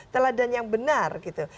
teladan yang benar gitu